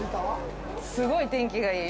すごい天気がいい。